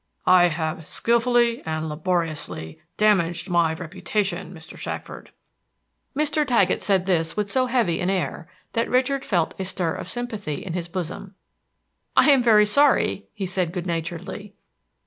"I have skillfully and laboriously damaged my reputation, Mr. Shackford." Mr. Taggett said this with so heavy an air that Richard felt a stir of sympathy in his bosom. "I am very sorry," he said good naturedly.